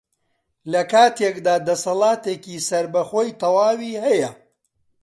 لەکاتێکدا دەسەڵاتێکی سەربەخۆی تەواوی هەیە